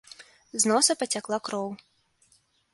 З носа пацякла кроў.